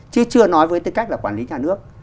chứ chưa nói với tư cách là quản lý nhà nước